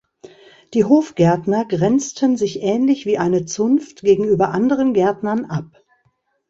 Die Hofgärtner grenzten sich ähnlich wie eine Zunft gegenüber anderen Gärtnern ab.